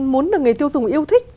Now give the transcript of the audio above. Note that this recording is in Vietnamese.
muốn được người tiêu dùng yêu thích